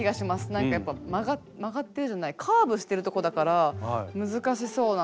何かやっぱ曲がってるじゃないカーブしてるしてるとこだから難しそうなので。